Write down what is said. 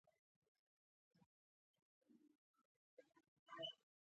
ملګری تل د خوشحالۍ غوښتونکی وي